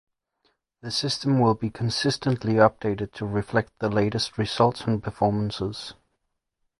The system will be consistently updated to reflect the latest results and performances.